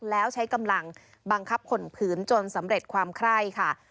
แล้วใช้กำลังบังคับขนผืนจนสำเร็จความไคร่ค่ะ